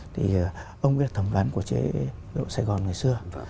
thì ông ấy là thẩm ván của chế đội sài gòn ngày xưa